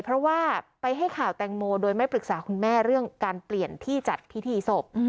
เพราะว่าไปให้ข่าวแตงโมโดยไม่ปรึกษาคุณแม่เรื่องการเปลี่ยนที่จัดพิธีศพ